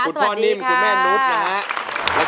คุณพ่อนิ่มคุณแม่นุษย์นะครับ